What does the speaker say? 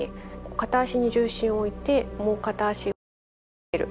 片足に重心を置いてもう片足を緩ませる。